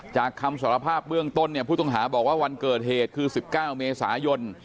คำสารภาพเบื้องต้นเนี่ยผู้ต้องหาบอกว่าวันเกิดเหตุคือ๑๙เมษายน